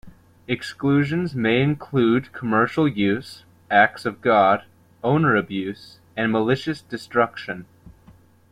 Exclusions may include commercial use, "acts of God", owner abuse, and malicious destruction.